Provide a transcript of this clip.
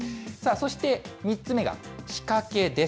そして、３つ目が仕掛けです。